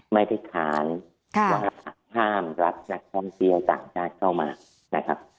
ไม่ดิฉาญห้ามรับนักครองเชียกต่างชาติเข้ามา